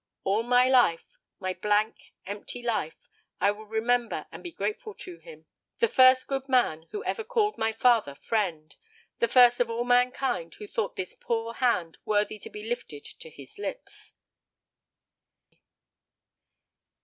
All my life my blank, empty life I will remember and be grateful to him, the first good man who ever called my father friend; the first of all mankind who thought this poor hand worthy to be lifted to his lips."